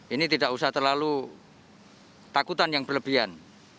ini tidak usah terlalu takutan yang berlebihan